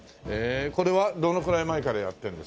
これはどのくらい前からやってんですか？